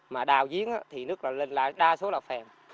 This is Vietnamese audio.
mà đào giếng thì nước lên lại đa số là phèn